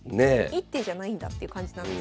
一手じゃないんだっていう感じなんですけど。